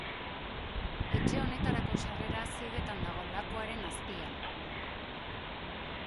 Etxe honetarako sarrera ziegetan dago lakuaren azpian.